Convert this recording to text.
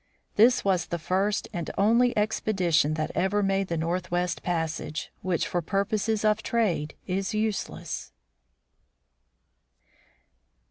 This was the first and only expedition that ever made the northwest passage, which, for purposes of trade, is useless.